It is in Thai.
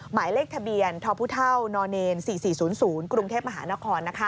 หมายเลขทะเบียนทพน๔๔๐๐กรุงเทพมหานคร